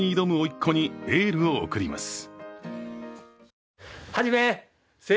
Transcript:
っ子にエールを送ります。